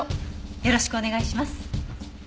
よろしくお願いします。